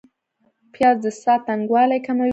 پیاز د ساه تنګوالی کموي